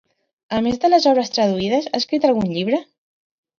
A més de les obres traduïdes, ha escrit algun llibre?